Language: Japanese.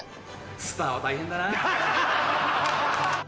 スターは大変だなぁ。